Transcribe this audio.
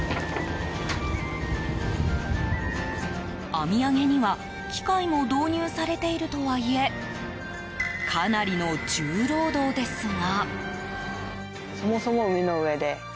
網上げには機械も導入されているとはいえかなりの重労働ですが。